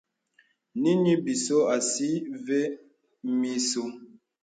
Nīŋhi bīsò àsí və̀ mì ìsō.